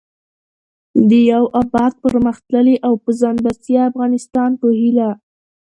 د يو اباد٬پرمختللي او په ځان بسيا افغانستان په هيله